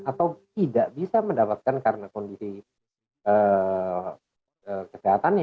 atau tidak bisa mendapatkan karena kondisi kesehatannya